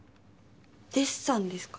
デッサンですか？